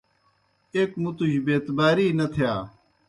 ایْک مُتوْجیْ بے اعتباری نہ تِھیا۔